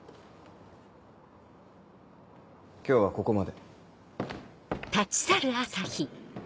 今日はここまで。